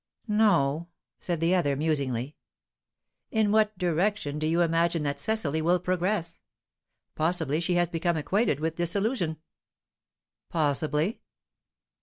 "No," said the other, musingly. "In what direction do you imagine that Cecily will progress? Possibly she has become acquainted with disillusion." "Possibly?"